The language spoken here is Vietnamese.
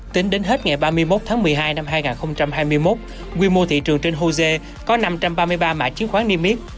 tính đến hết ngày ba mươi một tháng một mươi hai năm hai nghìn hai mươi một quy mô thị trường trên jose có năm trăm ba mươi ba mã chứng khoán niêm yết